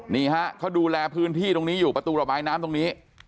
นี่ฮะเขาดูแลพื้นที่ตรงนี้อยู่ประตูระบายน้ำตรงนี้